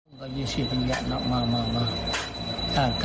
มันจะนิ่มมาก